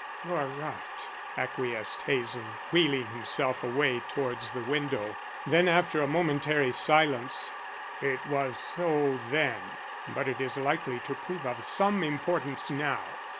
"You are right," acquiesced Hazen, wheeling himself away towards the window. Then after a momentary silence, "It was so then, but it is likely to prove of some importance now.